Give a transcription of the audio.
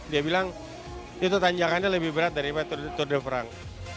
dia bilang itu tanjakannya lebih berat daripada tour de france